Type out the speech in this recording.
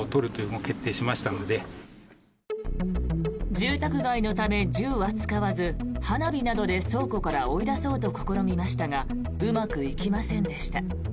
住宅街のため、銃は使わず花火などで倉庫から追い出そうと試みましたがうまくいきませんでした。